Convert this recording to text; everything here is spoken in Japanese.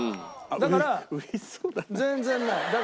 だから全然ない。